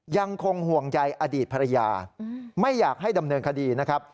ยังคงห่วงใยอดีตภรรยาไม่อยากให้ดำเนินคดีนะครับ